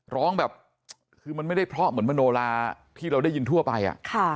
ร้องแบบคือมันไม่ได้เพราะเหมือนมโนลาที่เราได้ยินทั่วไป